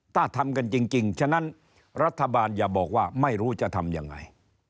ถ้าทำกันจริงฉะนั้นรัฐบาลอย่าบอกว่าไม่รู้จะทำยังไง